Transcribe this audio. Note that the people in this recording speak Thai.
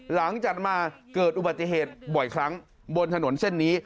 จัดมาเกิดอุบัติเหตุบ่อยครั้งบนถนนเส้นนี้